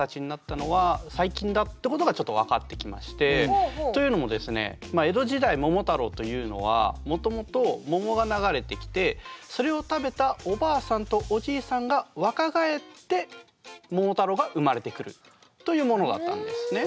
実はというのもですね江戸時代「桃太郎」というのはもともと桃が流れてきてそれを食べたおばあさんとおじいさんが若返って桃太郎が生まれてくるというものだったんですね。